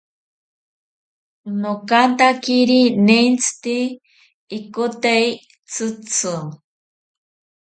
Nokantakiri nentzite ikote tzitzi